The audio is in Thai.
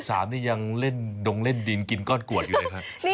นี่ยังเล่นดงเล่นดินกินก้อนกวดอยู่เลยครับ